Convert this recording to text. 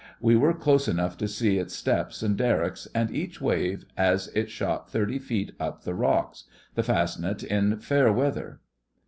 We were close enough to see its steps and derricks and each wave as it shot thirty feet up the rocks—the Fastnet in fair weather.